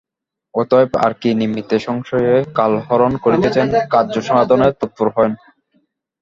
অতএব আর কি নিমিত্তে সংশয়ে কালহরণ করিতেছেন কার্যসাধনে তৎপর হউন।